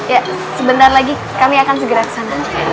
ya sebentar lagi kami akan segera ke sana